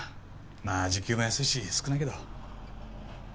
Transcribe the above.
まあ時給も安いし少ないけど。